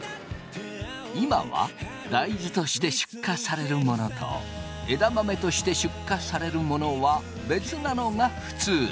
今は大豆として出荷されるものと枝豆として出荷されるものは別なのが普通。